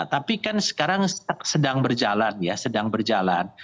tapi kan sekarang sedang berjalan ya sedang berjalan